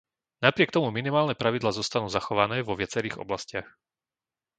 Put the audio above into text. Napriek tomu minimálne pravidlá zostanú zachované vo viacerých oblastiach.